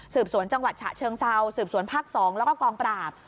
สวนจังหวัดฉะเชิงเซาสืบสวนภาค๒แล้วก็กองปราบ